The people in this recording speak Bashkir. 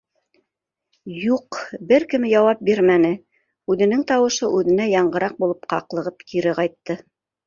Юҡ, бер кем яуап бирмәне, үҙенең тауышы үҙенә яңғыраҡ булып ҡаҡлығып кире ҡайтты.